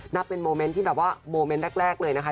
นับเป็นโมเมนต์แรกหน่อยนะคะ